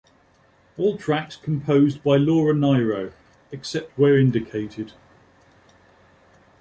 All tracks composed by Laura Nyro, except where indicated.